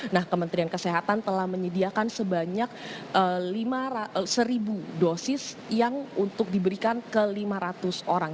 nah kementerian kesehatan telah menyediakan sebanyak seribu dosis yang untuk diberikan ke lima ratus orang